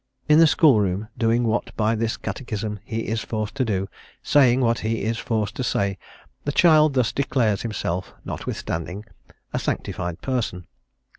'_ In the schoolroom, doing what by this Catechism he is forced to do, saying what he is forced to say, the child thus declares himself, notwithstanding, a sanctified person.